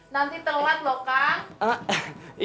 nanti telat lho kang